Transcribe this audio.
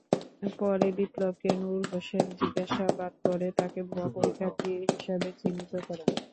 পরে বিপ্লবকে নূর হোসেন জিজ্ঞাসাবাদ করে তাঁকে ভুয়া পরীক্ষার্থী হিসেবে চিহ্নিত করেন।